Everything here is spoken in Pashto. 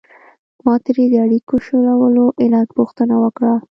ما ترې د اړیکو شلولو علت پوښتنه وکړه.